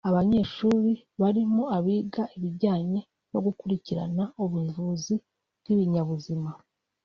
Abanyeshuri barimo abiga ibijyanye no gukurikirana ubuvuzi bw’ibinyabuzima